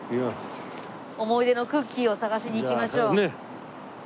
思い出のクッキーを探しに行きましょう。